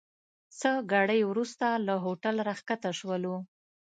څه ګړی وروسته له هوټل راکښته سولو.